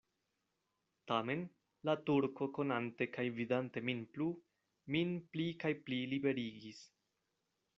Tamen, la Turko konante kaj vidante min plu, min pli kaj pli liberigis.